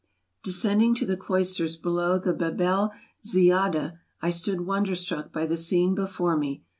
Descending to the cloisters below the Bab el Ziyadah, I stood wonderstruck by the scene before me.